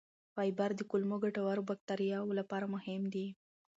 فایبر د کولمو ګټورو بکتریاوو لپاره مهم دی.